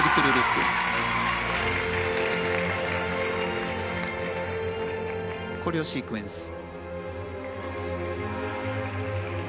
コレオシークエンス。